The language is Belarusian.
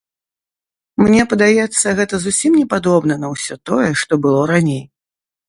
Мне падаецца, гэта зусім не падобна на ўсё тое, што было раней.